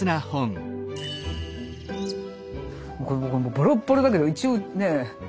ボロッボロだけど一応ね。